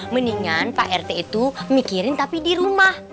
mendingan pak rt itu mikirin tapi di rumah